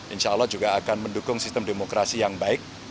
insya allah juga akan mendukung sistem demokrasi yang baik